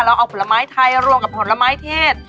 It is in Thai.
เราเอาผลไม้ไทยรวมกับผลไม้เทศ